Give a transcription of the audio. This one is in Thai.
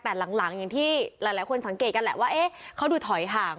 แต่หลังอย่างที่หลายคนสังเกตกันแหละว่าเขาดูถอยห่าง